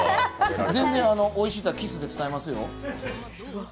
全然、おいしさをキスで伝えますよ。